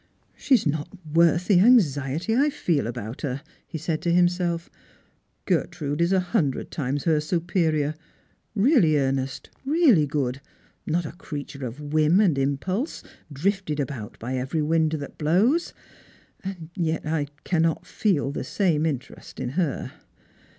" She is not worth the anxiety I feel about her," he said to liimself :" Gertrude is a hundred times her superior, really earnest, really good, not a creature of whim and impulse, drifted about by every wind that blows. And yet 1 cannot feel the same interest in her."